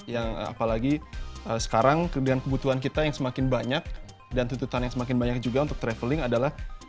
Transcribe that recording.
yang apalagi sekarang dengan kebutuhan kita yang semakin banyak dan tuntutan yang semakin banyak juga untuk traveling adalah